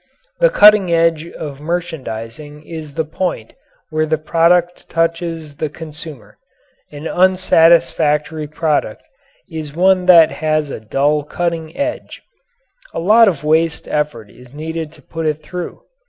The cutting edge of merchandising is the point where the product touches the consumer. An unsatisfactory product is one that has a dull cutting edge. A lot of waste effort is needed to put it through.